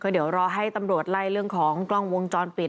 เดี๋ยวรอให้ตำรวจไล่เรื่องของกล้องวงจรปิด